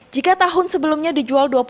jika tahun sebelumnya dijual rp dua puluh